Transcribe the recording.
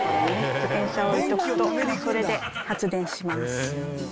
自転車を置いておくとそれで発電します。